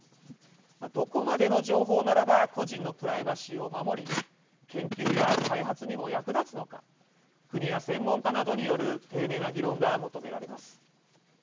どこまでの情報ならば個人のプライバシーを守り研究や開発にも役立つのか国や専門家などによる丁寧な議論が求められます。